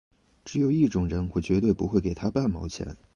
只有一种人我绝对不会给他半毛钱